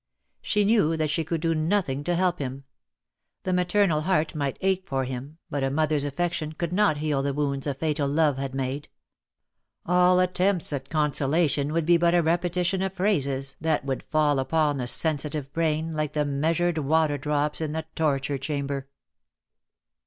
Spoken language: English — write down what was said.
She knew that she could do nothing to help him. The maternal heart might ache for him, but a mother's affection could not heal the wounds a fatal love had made. All attempts at consolation would be but a repetition of phrases that would fall upon the sensitive brain like the measured water drops in the torture chamber.